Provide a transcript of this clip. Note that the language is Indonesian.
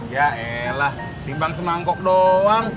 yaelah dibang semangkok doang